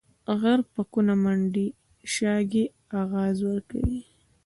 غر په کونه منډي ، شاگى اغاز ورکوي.